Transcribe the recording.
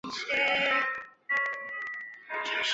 术法能力出众。